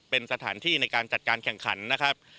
เป็นสถานที่ในการจัดการแข่งขันนะครับ